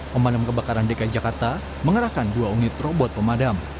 pemadam kebakaran dki jakarta mengerahkan dua unit robot pemadam